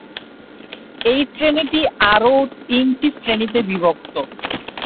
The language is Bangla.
এই শ্রেণিটি আরও তিনটি শ্রেণীতে বিভক্ত।